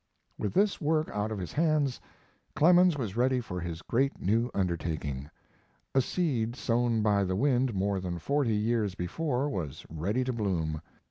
With this work out of his hands, Clemens was ready for his great new undertaking. A seed sown by the wind more than forty years before was ready to bloom.